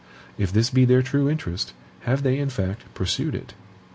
If this be their true interest, have they in fact pursued it?